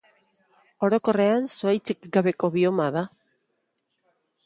Orokorrean, zuhaitzik gabeko bioma da.